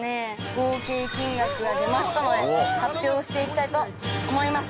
合計金額が出ましたので発表していきたいと思います！